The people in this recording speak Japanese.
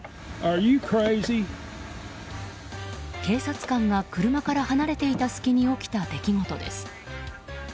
警察官が車から離れていた隙に起きた出来事です。